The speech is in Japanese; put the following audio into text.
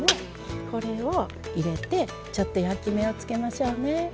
これを入れてちょっと焼き目をつけましょうね。